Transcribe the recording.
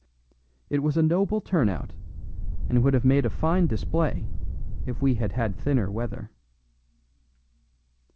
It was a noble turnout, and would have made a fine display if we had had thinner weather.